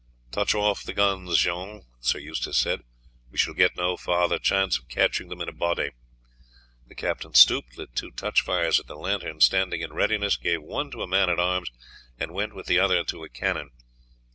"Touch off the guns, Jean," Sir Eustace said; "we shall get no further chance of catching them in a body." The captain stooped, lit two touchfires at the lantern standing in readiness, gave one to a man at arms, and went with the other to a cannon.